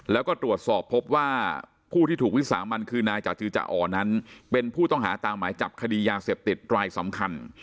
แล้วก็ตรวจสอบพบว่าผู้ที่ถูกวิสามันคือนายจาจือจาอ๋อนั้นเป็นผู้ต้องหาตามหมายจับคดียาเสพติดรายสำคัญ